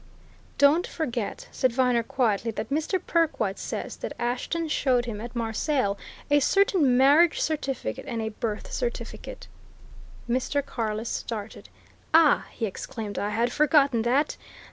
"Don't forget," said Viner quietly, "that Mr. Perkwite says that Ashton showed him at Marseilles a certain marriage certificate and a birth certificate." Mr. Carless started. "Ah!" he exclaimed. "I had forgotten that.